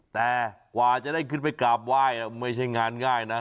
แต่กว่าจะได้ขึ้นไปกราบไหว้ไม่ใช่งานง่ายนะ